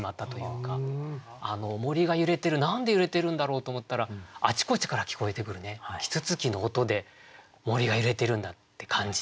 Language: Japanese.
森が揺れてる何で揺れてるんだろうと思ったらあちこちから聞こえてくる啄木鳥の音で森が揺れてるんだって感じたっていう。